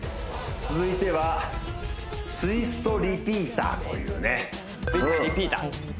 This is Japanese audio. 続いてはツイストリピーターというねツイストリピーター